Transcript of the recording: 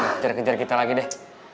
kejar kejar kita lagi deh